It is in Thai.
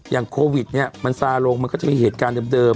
อย่างโควิดเนี่ยมันสารงมันก็จะเป็นเหตุการณ์เดิม